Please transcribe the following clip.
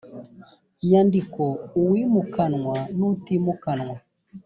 nyandiko uwimukanwa n utimukanwa